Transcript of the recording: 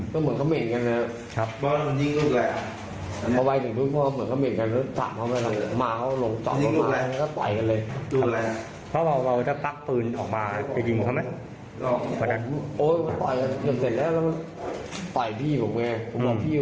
ผมบอกพี่ตัวเล็กขนาดนี้มีเงินมีเองอะผมเลยพักปืนออกมาขู่เขาบอกว่าจะยิงเนี่ยถ้ายิงผมจะยิงเนี่ยจูบเป็นฟ้ามีผู้หญิงกลัว